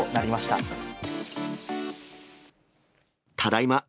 ただいま。